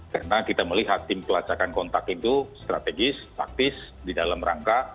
karena kita melihat tim pelacakan kontak itu strategis praktis di dalam rangka